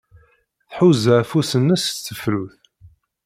Tḥuza afus-nnes s tefrut.